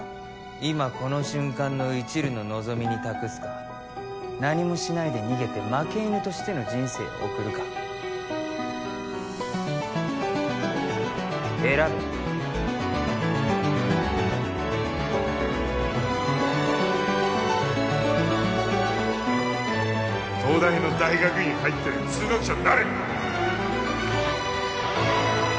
今この瞬間のいちるの望みに託すか何もしないで逃げて負け犬としての人生を送るか選べ東大の大学院入って数学者になれ